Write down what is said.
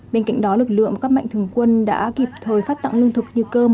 bên cạnh đó lực lượng các mạnh thường quân đã kịp thời phát tặng lương thực như cơm